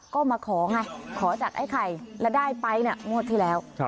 ก็มาขอไงขอจากไอ้ไข่แล้วได้ไปเนี่ยงวดที่แล้ว